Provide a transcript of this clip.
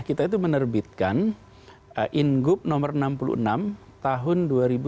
kita itu menerbitkan ingup nomor enam puluh enam tahun dua ribu dua puluh